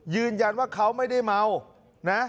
ยืนยันว่าเขาไม่ได้เมานะ